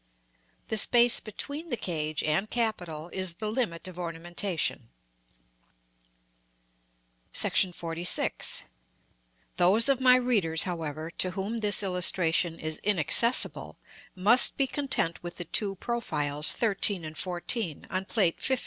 The space between the cage and capital is the limit of ornamentation. § XLVI. Those of my readers, however, to whom this illustration is inaccessible, must be content with the two profiles, 13 and 14, on Plate XV.